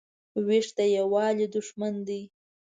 وېش د یووالي دښمن دی.